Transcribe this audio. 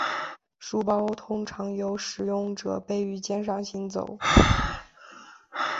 书包通常由使用者背于肩上行走。